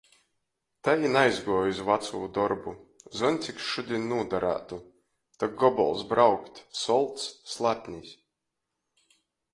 Tai i naaizguoju iz vacū dorbu. Zontiks šudiņ nūdarātu. Tok gobols braukt. Solts, slapnis.